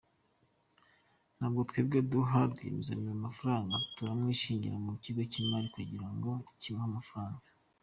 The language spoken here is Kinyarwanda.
Ntabwo twebwe duha rwiyemezamirimo amafaranga, turamwishingira mu kigo cy’imari kugira ngo kimuhe amafaranga.